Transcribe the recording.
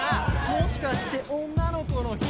もしかして女の子の日？